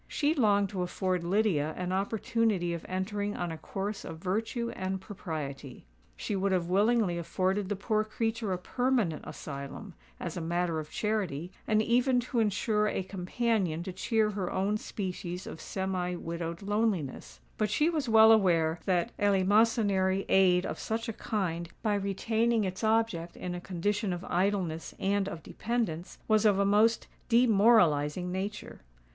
She longed to afford Lydia an opportunity of entering on a course of virtue and propriety. She would have willingly afforded the poor creature a permanent asylum, as a matter of charity, and even to insure a companion to cheer her own species of semi widowed loneliness; but she was well aware that eleemosynary aid of such a kind, by retaining its object in a condition of idleness and of dependence, was of a most demoralising nature.